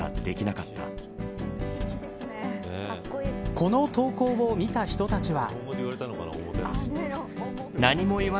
この投稿を見た人たちは。